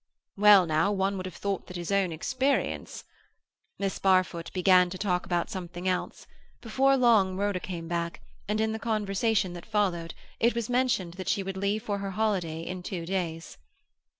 Well, now, one would have thought that his own experience—" Miss Barfoot began to talk about something else. Before very long Rhoda came back, and in the conversation that followed it was mentioned that she would leave for her holiday in two days.